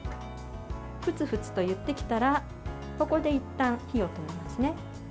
ふつふつといってきたらここでいったん火を止めますね。